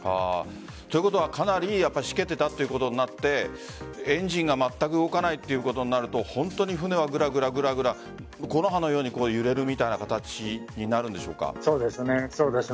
ということはかなりしけていたということになってエンジンがまったく動かないことになると本当に船はぐらぐら木の葉のように揺れるみたいな形にそうですね。